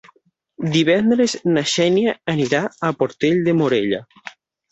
Divendres na Xènia anirà a Portell de Morella.